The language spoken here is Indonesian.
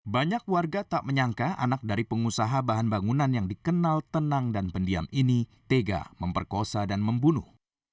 banyak warga tak menyangka anak dari pengusaha bahan bangunan yang dikenal tenang dan pendiam ini tega memperkosa dan membunuh